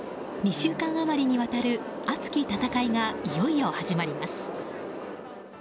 ２週間余りにわたる熱き戦いがいよいよ始まります。